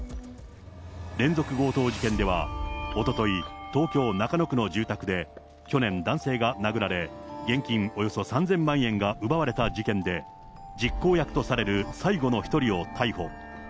連続強盗事件ではおととい、東京・中野区の住宅で去年、男性が殴られ、現金およそ３０００万円が奪われた事件で、実行役とされる最後の１人を逮捕。